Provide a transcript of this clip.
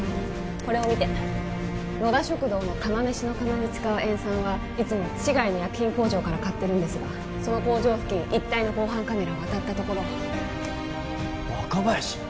これを見て野田食堂の釜飯の釜に使う塩酸はいつも市外の薬品工場から買ってるんですがその工場付近一帯の防犯カメラを当たったところ若林！？